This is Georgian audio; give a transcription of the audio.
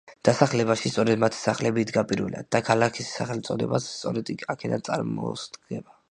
დასახლებაში სწორედ მათი სახლები იდგა პირველად და ქალაქის სახელწოდებაც სწორედ აქედან წარმოსდგება.